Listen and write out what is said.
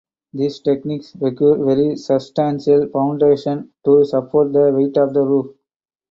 This technique requires very substantial foundations to support the weight of the roof.